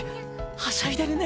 はしゃいでるね。